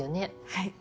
はい。